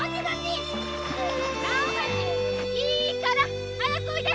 いいからおいで！